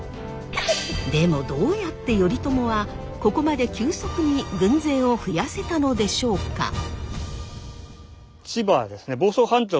でもどうやって頼朝はここまで急速に軍勢を増やせたのでしょうか？